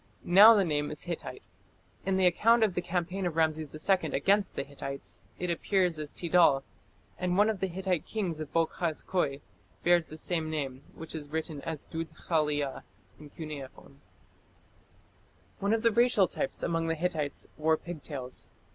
Now the name is Hittite. In the account of the campaign of Rameses II against the Hittites it appears as Tid^{c}al, and one of the Hittite kings of Boghaz Köi bears the same name, which is written as Dud khaliya in cuneiform." One of the racial types among the Hittites wore pigtails.